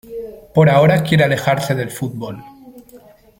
Por ahora quiere alejarse del fútbol.